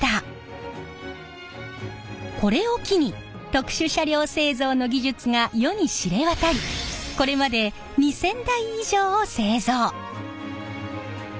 これを機に特殊車両製造の技術が世に知れ渡りこれまで２，０００台以上を製造！